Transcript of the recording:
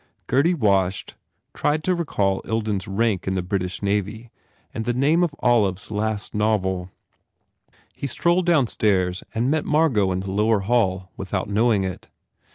Gurdy washed, tried to recall II den s rank in the British navy and the name of Olive s last novel. He strolled downstairs and met Margot in the lower hall without knowing it.